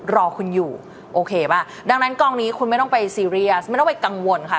รอคุณอยู่โอเคป่ะดังนั้นกองนี้คุณไม่ต้องไปซีเรียสไม่ต้องไปกังวลค่ะ